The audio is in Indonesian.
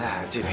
ada ada aja nih